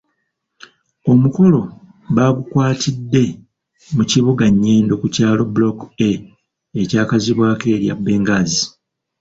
Omukolo baagukwatidde mu kibuga Nyendo ku kyalo Block A ekyakazibwako erya Benghazi.